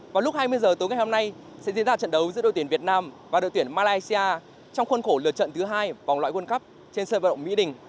vào lúc hai mươi h tối ngày hôm nay sẽ diễn ra trận đấu giữa đội tuyển việt nam và đội tuyển malaysia trong khuôn khổ lượt trận thứ hai vòng loại world cup trên sân vận động mỹ đình